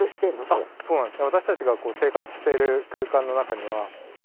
あっそうなんです。え？